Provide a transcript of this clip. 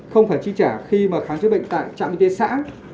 một trăm linh không phải chi trả khi mà khám chữa bệnh tại trạm y tế xã